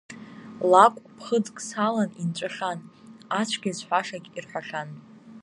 Лакә ԥхыӡк салан инҵәахьан, ацәгьа зҳәашагь ирҳәахьан.